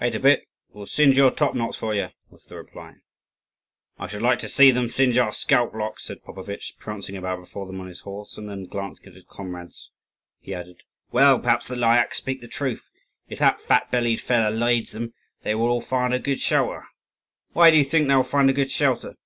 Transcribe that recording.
"Wait a bit, we'll singe your top knots for you!" was the reply. "I should like to see them singe our scalp locks!" said Popovitch, prancing about before them on his horse; and then, glancing at his comrades, he added, "Well, perhaps the Lyakhs speak the truth: if that fat bellied fellow leads them, they will all find a good shelter." "Why do you think they will find a good shelter?"